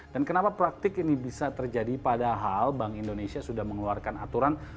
dan kenapa praktik ini bisa terjadi padahal bank indonesia sudah mengeluarkan aturan